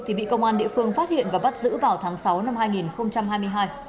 thì bị công an địa phương phát hiện và bắt giữ vào tháng sáu năm hai nghìn hai mươi hai